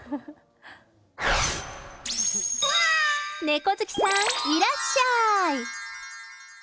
猫ずきさん、いらっしゃい。